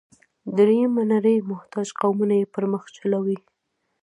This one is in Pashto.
درېیمه نړۍ محتاج قومونه یې پر مخ چلوي.